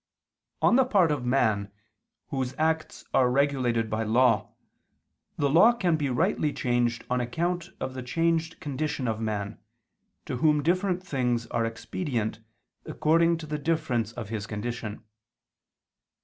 On the part of man, whose acts are regulated by law, the law can be rightly changed on account of the changed condition of man, to whom different things are expedient according to the difference of his condition.